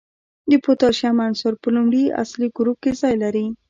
د پوتاشیم عنصر په لومړي اصلي ګروپ کې ځای لري.